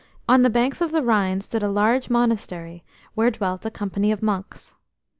THE banks of the Rhine stood a large Monastery, where dwelt a company of monks.